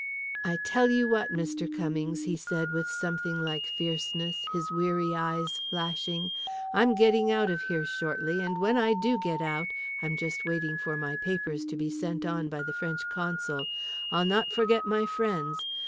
"I tell you what, Mr. Cummings," he said, with something like fierceness, his weary eyes flashing, "I'm getting out of here shortly, and when I do get out (I'm just waiting for my papers to be sent on by the French consul) I'll not forget my friends.